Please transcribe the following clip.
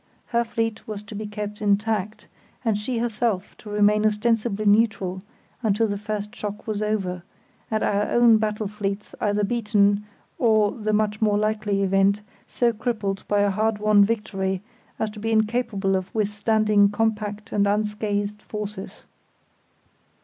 Her fleet was to be kept intact, and she herself to remain ostensibly neutral until the first shock was over, and our own battle fleets either beaten, or, the much more likely event, so crippled by a hard won victory as to be incapable of withstanding compact and unscathed forces.